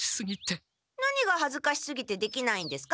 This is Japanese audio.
何がはずかしすぎてできないんですか？